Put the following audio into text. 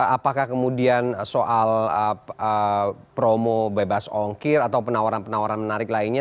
apakah kemudian soal promo bebas ongkir atau penawaran penawaran menarik lainnya